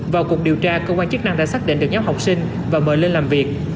vào cuộc điều tra cơ quan chức năng đã xác định được nhóm học sinh và mời lên làm việc